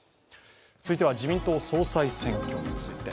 続いては、自民党総裁選について。